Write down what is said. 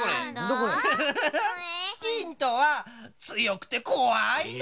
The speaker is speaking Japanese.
ヒントはつよくてこわいの。